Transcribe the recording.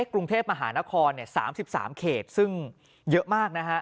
กรุงเทพมหานคร๓๓เขตซึ่งเยอะมากนะฮะ